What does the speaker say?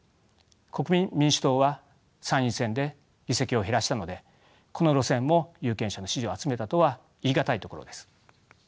国民民主党は参院選で議席を減らしたのでこの路線も有権者の支持を集めたとは言い難いところです。